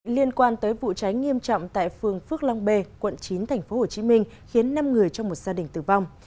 liên quan tới vụ cháy nghiêm trọng tại phường phước long b quận chín tp hcm khiến năm người trong một gia đình tử vong